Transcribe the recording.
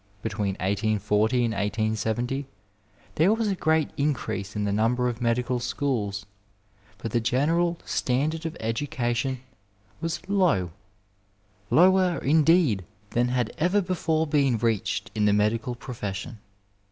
Between 1840 and 1870 there was a great increase in the number of medical schools, but the general standard of education was low— lower, indeed, than had ever before been reached in the medical profes sion.